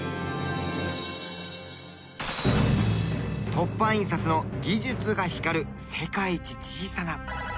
凸版印刷の技術が光る世界一小さな。